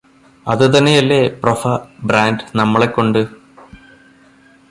അതുതന്നെയല്ലേ പ്രൊഫ ബ്രാന്റ് നമ്മളെക്കൊണ്ട്